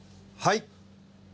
はい。